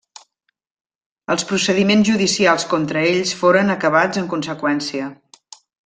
Els procediments judicials contra ells foren acabats en conseqüència.